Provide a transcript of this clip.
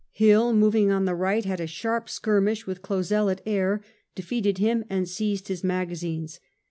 Hill, moving on the right, had a smart skirmish with Clausel at Aire, defeated him and seized his magazines.